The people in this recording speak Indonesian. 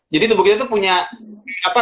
jadi tubuh kita tuh punya apa